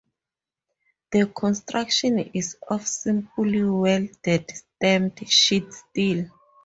The construction is of simple welded stamped sheet steel.